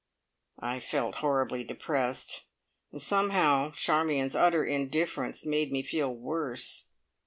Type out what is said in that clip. I felt horribly depressed, and somehow Charmion's utter indifference made me feel worse.